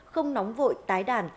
không nóng vội tái đàn